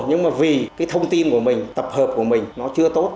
nhưng mà vì cái thông tin của mình tập hợp của mình nó chưa tốt